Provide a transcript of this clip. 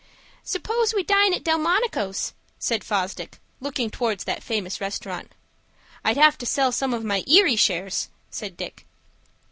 "Suppose we dine at Delmonico's," said Fosdick, looking towards that famous restaurant. "I'd have to sell some of my Erie shares," said Dick.